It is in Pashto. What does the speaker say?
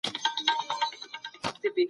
ايا انلاين کورسونه د وخت انعطاف وړاندې کوي؟